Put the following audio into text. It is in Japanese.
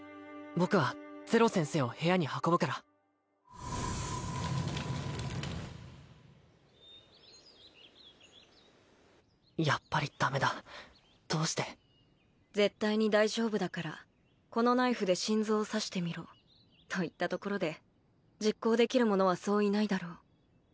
僕はゼロ先生を部屋に運ぶからやっぱりダメだどうして絶対に大丈夫だからこのナイフで心臓を刺してみろと言ったところで実行できる者はそういないだろう